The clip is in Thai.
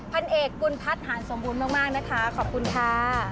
พันเอกกุลพัฒน์หารสมบูรณ์มากนะคะขอบคุณค่ะ